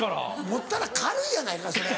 持ったら軽いやないかそれ。